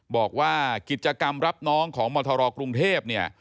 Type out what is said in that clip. บอกว่ากิจกรรมรับน้องของมทรกรุงเทพเนี่ย